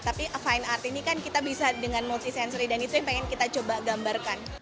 tapi fine art ini kan kita bisa dengan multicensary dan itu yang pengen kita coba gambarkan